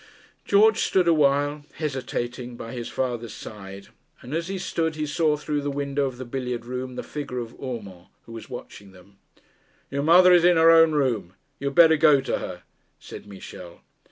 George stood awhile, hesitating, by his father's side, and as he stood he saw through the window of the billiard room the figure of Urmand, who was watching them. 'Your mother is in her own room; you had better go to her,' said Michel.